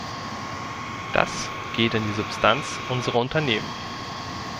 Das geht an die Substanz unserer Unternehmen!